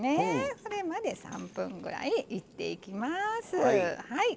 それまで３分ぐらい煎っていきます。